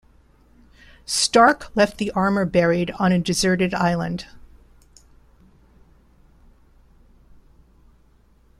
Stark left the armor buried on a deserted island.